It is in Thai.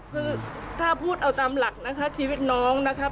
คือถ้าพูดเอาตามหลักนะคะชีวิตน้องนะครับ